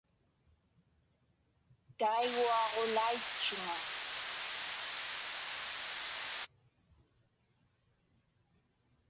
Taiguaġulaitchuŋa.